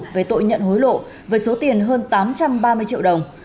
về tội nhận hối lộ với số tiền hơn tám trăm ba mươi triệu đồng